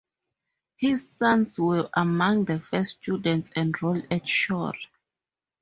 His sons were among the first students enrolled at Shore.